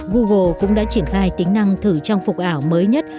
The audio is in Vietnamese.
google cũng đã triển khai tính năng thử trang phục ảo mới nhất